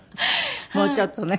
もうちょっとね。